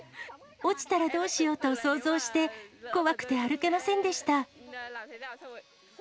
落ちたらどうしようと想像して、怖くて歩けませんでした。